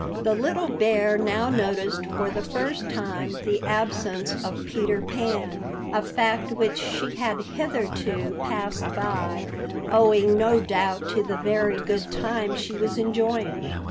The little bear now noticed for the first time the absence of Peter Pan, a fact which she had hitherto passed by, owing no doubt to the very good time she was enjoying.